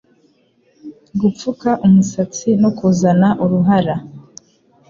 Gupfuka umusatsi no kuzana uruhara